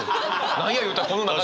何やいうたらこの中で。